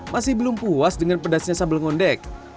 masih belum puas dengan pedasnya sambal ngondek